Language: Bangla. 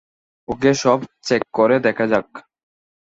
ওকে, সব চেক করে দেখা যাক।